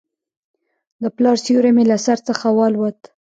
د پلار سیوری مې له سر څخه والوت.